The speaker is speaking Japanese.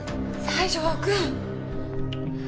西条くん！